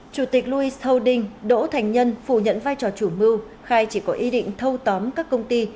chủ tịch louis holding đỗ thành nhân phủ nhận vai trò chủ mưu khai chỉ có ý định thâu tóm các công ty